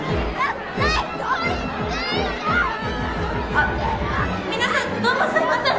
あみなさんどうもすいません！